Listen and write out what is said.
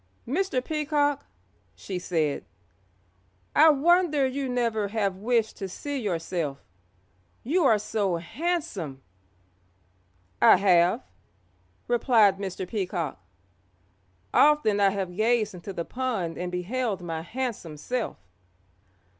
"Mr. Peacock," she said, "I wonder you never have wished to see yourself, you are so handsome." "I have," replied Mr. Peacock; "often I have gazed into the pond and beheld my handsome self."